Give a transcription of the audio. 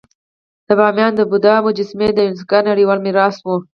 د بامیانو د بودا مجسمې د یونسکو نړیوال میراث وو